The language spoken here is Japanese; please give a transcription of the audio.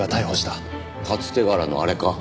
初手柄のあれか？